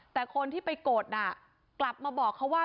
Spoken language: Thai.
แต่คนที่ไปกดกลับมาบอกเขาว่า